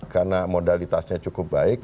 karena modalitasnya cukup baik